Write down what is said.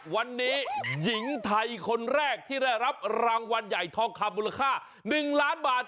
วันนี้หญิงไทยคนแรกที่ได้รับรางวัลใหญ่ทองคำมูลค่า๑ล้านบาท